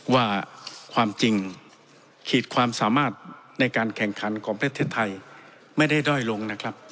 ว่าความจริงขีดความสามารถในการแข่งขันของประเทศไทยไม่ได้ด้อยลงนะครับ